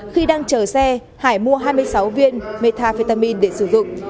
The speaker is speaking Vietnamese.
khi đang chở xe hải mua hai mươi sáu viên methamphetamine để sử dụng